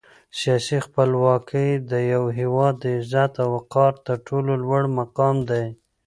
سیاسي خپلواکي د یو هېواد د عزت او وقار تر ټولو لوړ مقام دی.